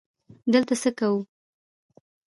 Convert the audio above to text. _دلته څه کوو؟